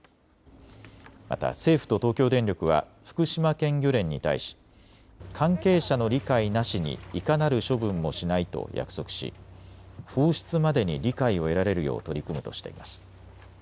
また政府と東京電力は福島県漁連に対し関係者の理解なしにいかなる処分もしないと約束し放出までに理解を得られるよう取り組むとしています。